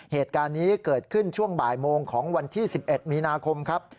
เหตุการณ์นี้เกิดขึ้นช่วงบ่ายโมงของวันที่๑๑มีนาคมครับ